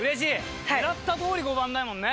狙ったどおり５番だもんね。